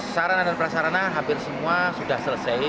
sarana dan prasarana hampir semua sudah selesai